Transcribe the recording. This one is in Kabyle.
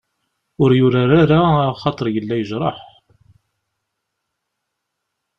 Ur yurar ara axaṭer yella yejreḥ.